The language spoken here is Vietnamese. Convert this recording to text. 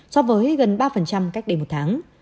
so với gần ba cách đây một tháng